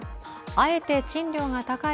あえて賃料が高い